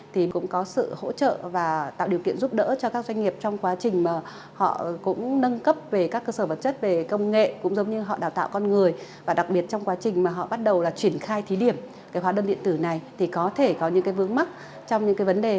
thí điểm hóa đơn điện tử này có thể có những vướng mắc trong những vấn đề